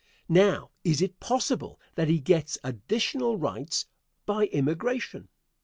Now, is it possible that he gets additional rights by immigration?